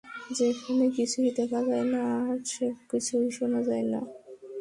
যেখানে কিছুই দেখা যায় না কিছুই শোনা যায় না।